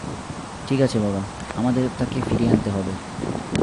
ঠিক আছে বাবা, আমাদের তাকে ফিরিয়ে আনতে হবে।